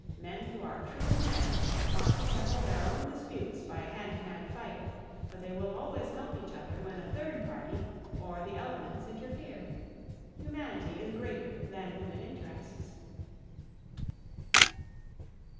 Men who are true men want to settle their own disputes by a hand to hand fight, but they will always help each other when a third party or the elements interfere. Humanity is greater than human interests.